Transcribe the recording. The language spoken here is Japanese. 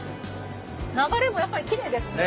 流れもやっぱりきれいですね。